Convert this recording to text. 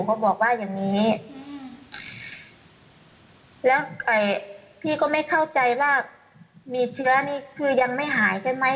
เขาบอกว่าอย่างนี้แล้วพี่ก็ไม่เข้าใจว่ามีเชื้อนี่คือยังไม่หายใช่ไหม